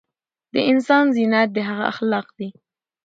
د انسان زينت د هغه اخلاق دي